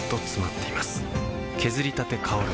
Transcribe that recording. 削りたて香る